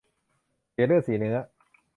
เสียเลือดเสียเนื้อ